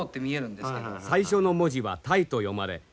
最初の文字は「泰」と読まれ続く